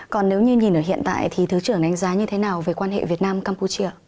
còn nếu như nhìn ở hiện tại thì thứ trưởng đánh giá như thế nào về quan hệ việt nam campuchia